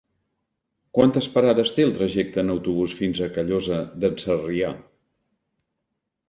Quantes parades té el trajecte en autobús fins a Callosa d'en Sarrià?